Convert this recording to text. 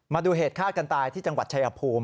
มาดูเหตุฆ่ากันตายที่จังหวัดชายภูมิ